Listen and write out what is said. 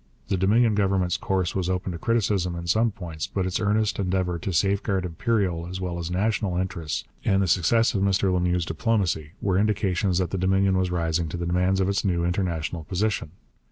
The Dominion Government's course was open to criticism in some points, but its earnest endeavour to safeguard imperial as well as national interests, and the success of Mr Lemieux's diplomacy, were indications that the Dominion was rising to the demands of its new international position.